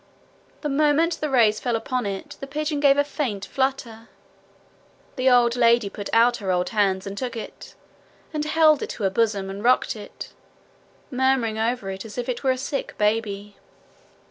The moment the rays fell upon it the pigeon gave a faint flutter. The old lady put out her old hands and took it, and held it to her bosom, and rocked it, murmuring over it as if it were a sick baby.